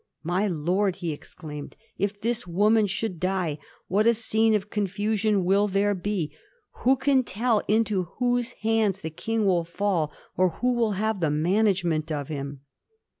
" My lord," he exclaimed, " if this woman should die, what a scene of confusion will there be ! Who can tell into whose hands the King will fall, or who will have the management of him?"